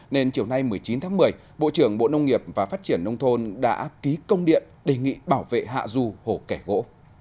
nên chiều nay một mươi chín tháng một mươi bộ trưởng bộ nông nghiệp và phát triển nông thôn đã ký công điện đề nghị bảo vệ hạ du hồ kẻ gỗ